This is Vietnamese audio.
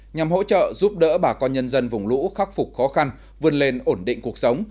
nhằm hỗ trợ giúp đỡ bà con nhân dân vùng lũ khắc phục khó khăn vươn lên ổn định cuộc sống